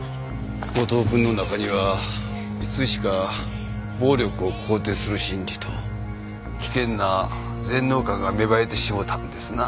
後藤くんの中にはいつしか暴力を肯定する心理と危険な全能感が芽生えてしもたんですな。